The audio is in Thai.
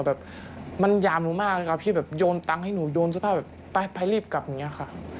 แบบมันหยามหนูมากเลยครับที่แบบโยนตังค์ให้หนูโยนเสื้อผ้าแบบไปรีบกลับอย่างนี้ค่ะ